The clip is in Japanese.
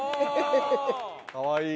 かわいい。